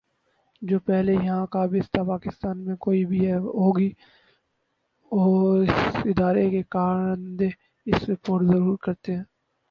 جو پہلے یہاں قابض تھا پاکستان میں کوئی بھی بے ہودگی ہو اس ادارے کے کارندے اسے رپورٹ ضرور کرتے ہیں